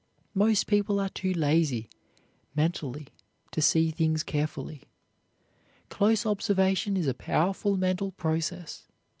Most people are too lazy, mentally, to see things carefully. Close observation is a powerful mental process.